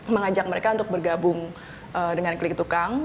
mengajak mereka untuk bergabung dengan klik tukang